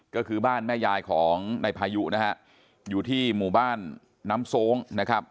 ก็คือบ้านแม่ยายของนายพายุนะฮะอยู่ที่หมู่บ้านน้ำโซ้งนะครับ